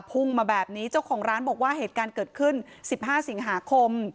พุ่งมาแบบนี้เจ้าของร้านบอกว่าเหตุการณ์เกิดขึ้น๑๕สิงหาคม